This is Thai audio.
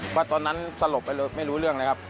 เพราะตอนนั้นสลบไปเลยไม่รู้เรื่องเลยครับ